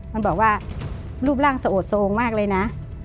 มันบอกว่ารูปร่างสะโอดโทรงมากเลยนะ